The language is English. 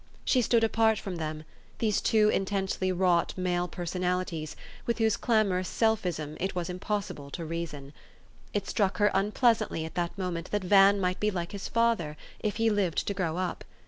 She stood apart from them, these two intensely wrought male per sonalities, with whose clamorous selfism it was im possible to reason. It struck her unpleasantly at that moment that Van might be like his father, if he lived to grow up.